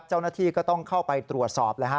เจ้าหน้าที่ก็ต้องเข้าไปตรวจสอบเลยฮะ